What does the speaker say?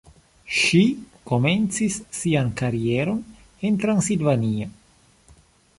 Ŝi komencis sian karieron en Transilvanio.